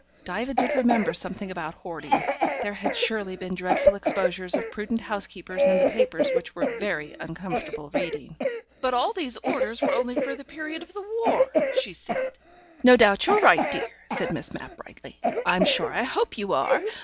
Diva did remember something about hoarding; there had surely been dreadful exposures of prudent housekeepers in the papers which were very uncomfortable reading. "But all these orders were only for the period of the war," she said. "No doubt you're right, dear," said Miss Mapp brightly. "I'm sure I hope you are.